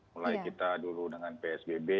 mulai kita dulu dengan psbb